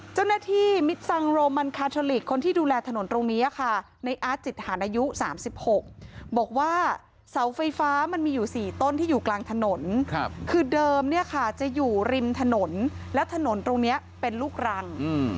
เจ้าหน้าที่มิดซังโรมันคาทอลิกคนที่ดูแลถนนตรงนี้ค่ะในอาร์ตจิตฐานอายุ๓๖บอกว่าเสาไฟฟ้ามันมีอยู่๔ต้นที่อยู่กลางถนนคือเดิมเนี่ยค่ะจะอยู่ริมถนนแล้วถนนตรงนี้เป็นลูกรัง